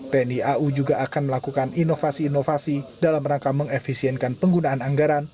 tni au juga akan melakukan inovasi inovasi dalam rangka mengefisienkan penggunaan anggaran